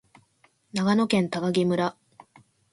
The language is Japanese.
長野県喬木村